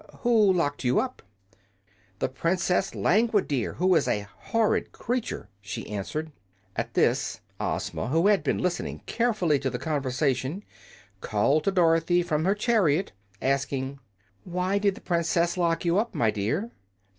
Who locked you up?" "The princess Langwidere, who is a horrid creature," she answered. At this Ozma, who had been listening carefully to the conversation, called to Dorothy from her chariot, asking: "Why did the Princess lock you up, my dear?"